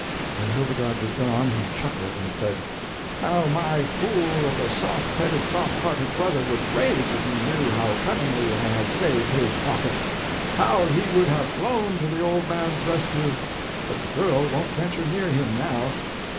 When Hildegarde was gone, he chuckled and said "How my fool of a soft headed soft hearted brother would rage if he knew how cunningly I have saved his pocket. How he would have flown to the old man's rescue! But the girl won't venture near him now."